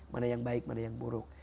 mana yang baik mana yang buruk